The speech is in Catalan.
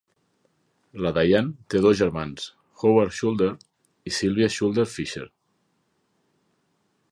La Diane té dos germans, Howard Schulder i Sylvia Schulder Fisher.